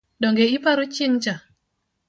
Donge ipare chieng’cha?